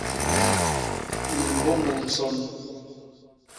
Me mbôñôs nson.